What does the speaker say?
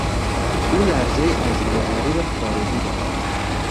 او لهجهای عجیب و غریب خارجی دارد.